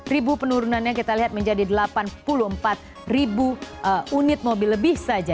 ribu penurunannya kita lihat menjadi delapan puluh empat ribu unit mobil lebih saja